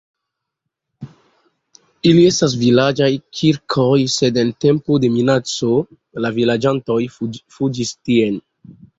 Ili estas vilaĝaj kirkoj, sed en tempo de minaco la vilaĝanoj fuĝis tien.